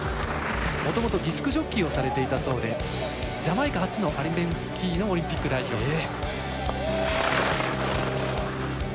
もともとディスクジョッキーをされていたそうでジャマイカ初のアルペンスキーのオリンピック代表。